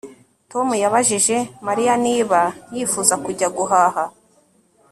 Tom yabajije Mariya niba yifuza kujya guhaha